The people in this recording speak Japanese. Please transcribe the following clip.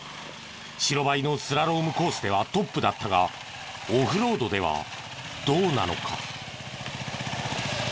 白バイのスラロームコースではトップだったがオフロードではどうなのか？